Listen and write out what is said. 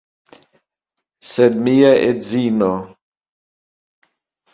Sed mia edzino